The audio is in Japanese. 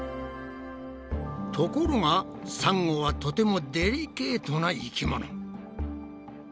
ところがサンゴはとてもデリケートな生き物。